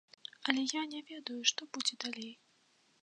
Але я не ведаю, што будзе далей.